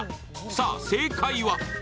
さあ正解は？